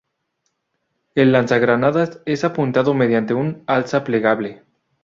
El lanzagranadas es apuntado mediante un alza plegable.